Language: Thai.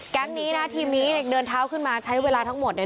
นี้นะทีมนี้เนี่ยเดินเท้าขึ้นมาใช้เวลาทั้งหมดเนี่ย